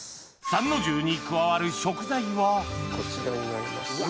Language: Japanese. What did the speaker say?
参の重に加わる食材はこちらになります。